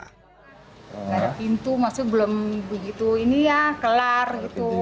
nggak ada pintu maksudnya belum begitu ini ya kelar gitu